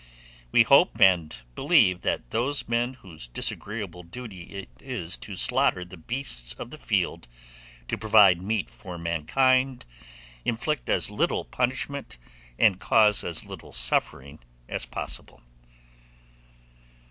We hope and believe that those men whose disagreeable duty it is to slaughter the "beasts of the field" to provide meat for mankind, inflict as little punishment and cause as little suffering as possible.